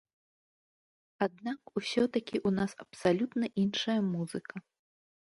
Аднак усё-такі ў нас абсалютна іншая музыка!